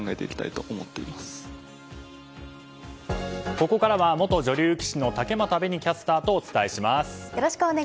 ここからは元女流棋士の竹俣紅キャスターとお伝えします。